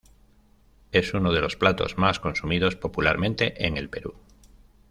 Es uno de los platos más consumidos popularmente en el Perú.